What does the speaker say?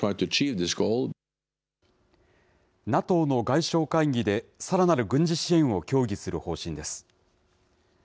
ＮＡＴＯの外相会議でさらなる軍事支援を協議する方針です。